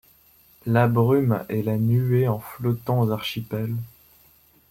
La brume -et la nuée en flottants archipels